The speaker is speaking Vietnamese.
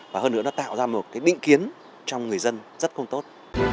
và hơn nữa nó tạo ra một định kiến trong người dân rất không tốt